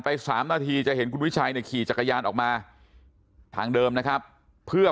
สามนาทีจะเห็นคุณวิชัยเนี่ยขี่จักรยานออกมาทางเดิมนะครับเพื่อ